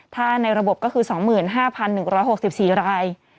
ถ้าในระบบก็คือ๒๕๑๖๔ราย